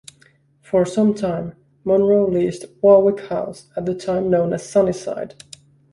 For some time, Monro leased Warwick House, at the time known as "Sunnyside".